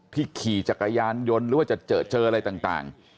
ขี่จักรยานยนต์หรือว่าจะเจออะไรต่าง